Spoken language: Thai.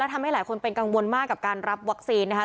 ทำให้หลายคนเป็นกังวลมากกับการรับวัคซีนนะคะ